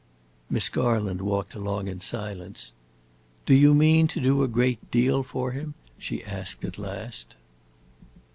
Miss Garland walked along in silence. "Do you mean to do a great deal for him?" she asked at last.